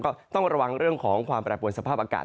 ก็ต้องระวังเรื่องของความแปรปวนสภาพอากาศ